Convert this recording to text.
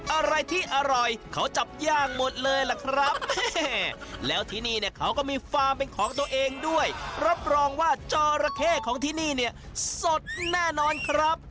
อะไรที่อร่อยเขาจับย่างหมดเลยล่ะครับแล้วที่นี่เนี่ยเขาก็มีฟาร์มเป็นของตัวเองด้วยรับรองว่าจอระเข้ของที่นี่เนี่ยสดแน่นอนครับ